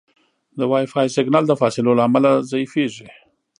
د وائی فای سګنل د فاصلو له امله ضعیفېږي.